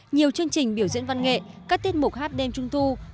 nhiều chương trình biểu diễn văn nghệ các tiết mục hát đêm trung thu